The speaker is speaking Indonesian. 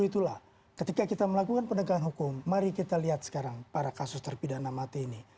itulah ketika kita melakukan penegakan hukum mari kita lihat sekarang para kasus terpidana mati ini